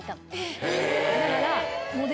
だから。